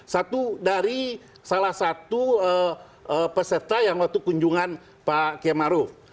satu dari salah satu peserta yang waktu kunjungan pak k maruf